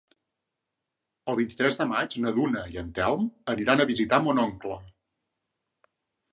El vint-i-tres de maig na Duna i en Telm aniran a visitar mon oncle.